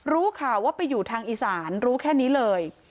รู้ข่าวว่าไปอยู่ทางอีสานรู้แค่นี้เลย